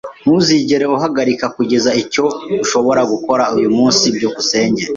Ntuzigere uhagarika kugeza ejo icyo ushobora gukora uyu munsi. byukusenge